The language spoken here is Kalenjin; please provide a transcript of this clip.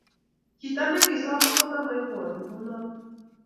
Chito negisoman kotamaibwoti kunoto